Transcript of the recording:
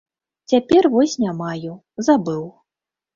Цяпер вось не маю, забыў.